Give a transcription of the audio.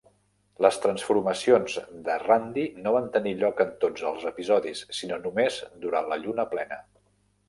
Les transformacions de Randi no van tenir lloc en tots els episodis, sinó només durant la lluna plena.